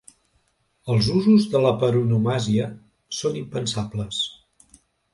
Els usos de la paronomàsia són impensables.